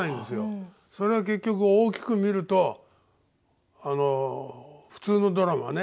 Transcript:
それは結局大きく見るとあの普通のドラマね